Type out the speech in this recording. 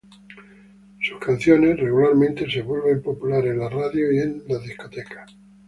Sus canciones regularmente se vuelven populares en la radio y en discotecas.